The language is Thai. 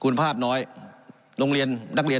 การปรับปรุงทางพื้นฐานสนามบิน